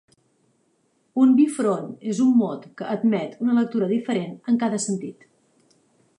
Un bifront és un mot que admet una lectura diferent en cada sentit.